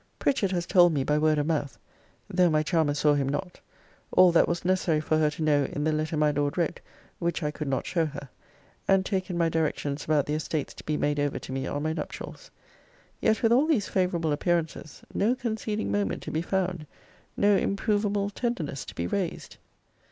Pritchard has told me by word of mouth, though my charmer saw him not, all that was necessary for her to know in the letter my Lord wrote, which I could not show her: and taken my directions about the estates to be made over to me on my nuptials. Yet, with all these favourable appearances, no conceding moment to be found, no improvable tenderness to be raised.